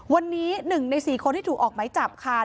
วันนี้๑ใน๔คนที่ถูกออกไหมจับค่ะ